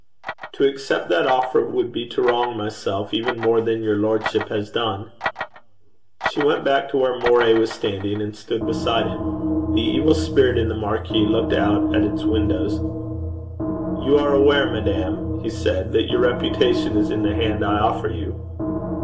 'To accept that offer would be to wrong myself even more than your lordship has done.' She went back to where Moray was standing, and stood beside him. The evil spirit in the marquis looked out at its windows. 'You are aware, madam,' he said, 'that your reputation is in the hand I offer you?'